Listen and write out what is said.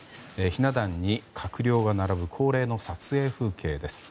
ひな壇に閣僚が並ぶ恒例の撮影風景です。